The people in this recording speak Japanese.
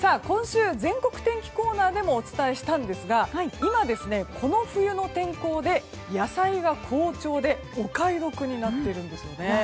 今週全国天気コーナーでもお伝えしたんですが今、この冬の天候で野菜が好調でお買い得になっているんですよね。